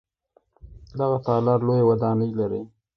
دغه تالار لویه ودانۍ لري.